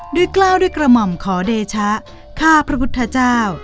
กล้าวด้วยกระหม่อมขอเดชะข้าพระพุทธเจ้า